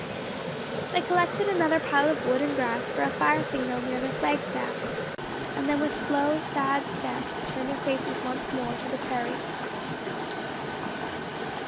They collected another pile of wood and grass for a fire signal near their flag staff, and then with slow, sad steps, turned their faces once more to the prairie.